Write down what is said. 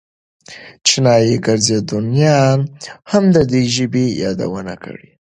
چینایي ګرځندویانو هم د دې ژبې یادونه کړې.